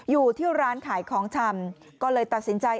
อยู่ที่ร้านขายของชำก็เลยตัดสินใจ